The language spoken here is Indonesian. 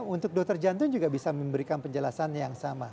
untuk dokter jantung juga bisa memberikan penjelasan yang sama